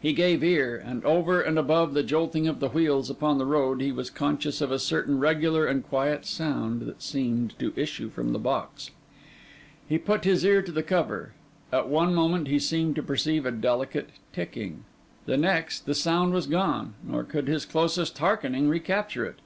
He gave ear; and over and above the jolting of the wheels upon the road, he was conscious of a certain regular and quiet sound that seemed to issue from the box. He put his ear to the cover; at one moment, he seemed to perceive a delicate ticking: the next, the sound was gone, nor could his closest hearkening recapture it.